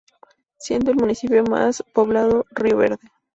Siendo el municipio más poblado Río Verde.